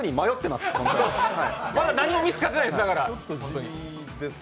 まだ何も見つかってないです。